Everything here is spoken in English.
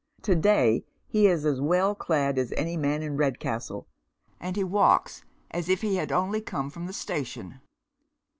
To day he is as well clad as any man in Redcastle, and he walks as if he had only come from the station.